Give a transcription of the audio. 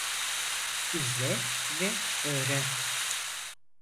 İzle ve öğren.